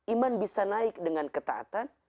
iman bisa naik dengan ketaatan